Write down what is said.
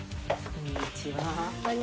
こんにちは。